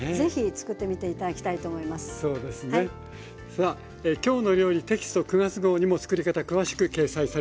さあ「きょうの料理」テキスト９月号にもつくり方詳しく掲載されています。